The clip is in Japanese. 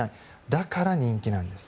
だから人気なんです。